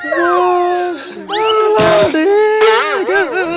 bos malah dik